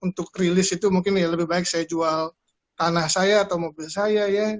untuk rilis itu mungkin ya lebih baik saya jual tanah saya atau mobil saya ya